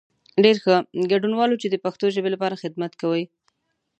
ډېر ښه، ګډنوالو چې د پښتو ژبې لپاره خدمت کوئ.